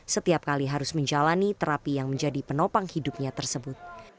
setiap kali harus menjalani terapi yang menjadi penopang hidupnya tersebut